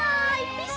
ピシ！